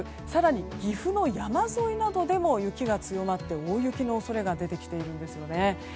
更に岐阜の山沿いなどでも雪が強まって大雪の恐れが出てきているんですよね。